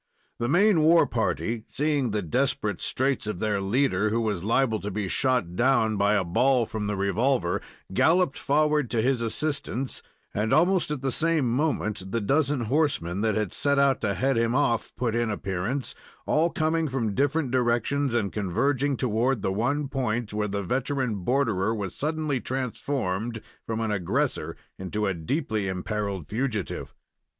The main war party seeing the desperate straits of their leader, who was liable to be shot down by a ball from the revolver, galloped forward to his assistance, and, almost at the same moment the dozen horsemen that had set out to head him off put in appearance, all coming from different directions, and converging toward the one point, where the veteran borderer was suddenly transformed from an aggressor into a deeply imperiled fugitive.